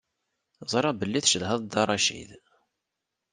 Ẓriɣ belli tcedhaḍ Dda Racid.